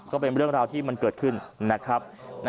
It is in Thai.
ก็เป็นเรื่องราวที่มันเกิดขึ้นนะครับ